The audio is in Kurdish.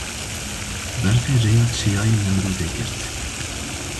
Berfê rêya Çiyayê Nemrûdê girt.